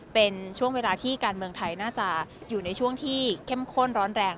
เป็นช่วงเวลาที่การเมืองไทยน่าจะอยู่ในช่วงที่เข้มข้นร้อนแรง